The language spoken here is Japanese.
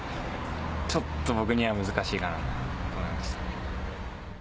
ちょっと僕には難しいかなと思いました。